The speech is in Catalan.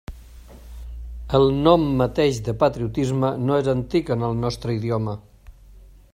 El nom mateix de patriotisme no és antic en el nostre idioma.